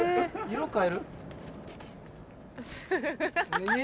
色変える？